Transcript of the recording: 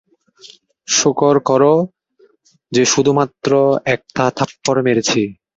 শোকর কর যে শুধুমাত্র একটা থাপ্পড় মেরেছি।